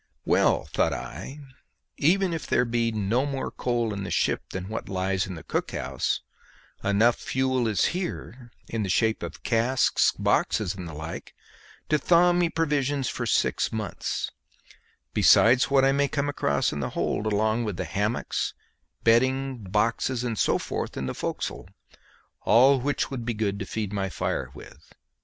Well, thought I, even if there be no more coal in the ship than what lies in the cook house, enough fuel is here in the shape of casks, boxes, and the like to thaw me provisions for six months, besides what I may come across in the hold, along with the hammocks, bedding, boxes, and so forth in the forecastle, all which would be good to feed my fire with.